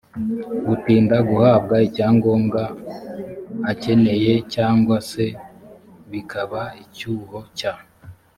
gutinda guhabwa icyangombwa akeneye cyangwa se bikaba icyuho cya